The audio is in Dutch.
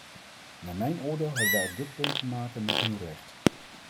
Naar mijn oordeel hebben wij op dit punt te maken met nieuw recht.